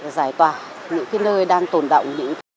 giải tỏa những cái nơi đang tồn động